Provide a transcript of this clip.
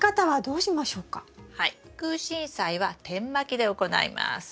クウシンサイは点まきで行います。